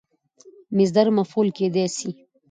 مصدر مفعول کېدای سي.